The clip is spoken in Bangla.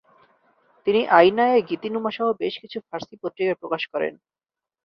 তিনি আইনায়ে গীতিনুমা সহ বেশ কিছু ফার্সি পত্রিকা প্রকাশ করেন।